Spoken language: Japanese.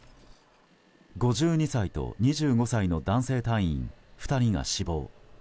５２歳と２５歳の男性隊員２人が死亡。